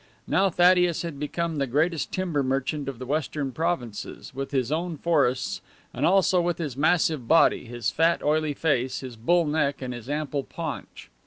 Now Thaddeus had become the greatest timber merchant of the western provinces, with his own forests and also with his massive body, his fat, oily face, his bull neck and his ample paunch.